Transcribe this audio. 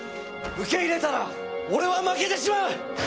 受け入れたら俺は負けてしまう！